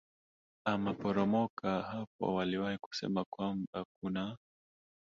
a maporomoka hapo waliwahi kusema kwamba kuna